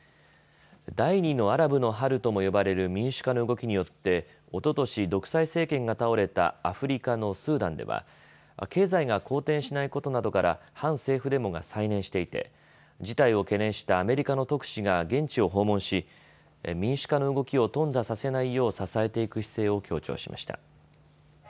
第２のアラブの春とも呼ばれる民主化の動きによっておととし独裁政権が倒れたアフリカのスーダンでは経済が好転しないことなどから反政府デモが再燃していて事態を懸念したアメリカの特使が現地を訪問し民主化の動きを頓挫させないよう支えていく姿勢を強調しました。